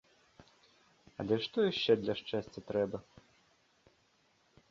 Але што яшчэ для шчасця трэба?